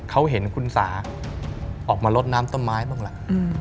เขาเห็นคุณสาออกมาลดน้ำต้นไม้บ้างล่ะ